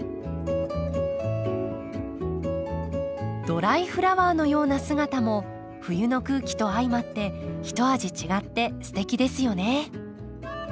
ドライフラワーのような姿も冬の空気と相まってひと味違ってすてきですよね。